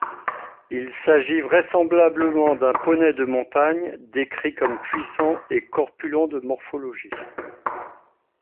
Il s'agit vraisemblablement d'un poney de montagne, décrit comme puissant et corpulent de morphologie.